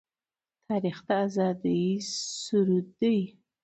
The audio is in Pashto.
تاریخ د آزادۍ سرود دی.